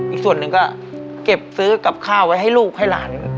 อีกส่วนหนึ่งก็เก็บซื้อกับข้าวไว้ให้ลูกให้หลาน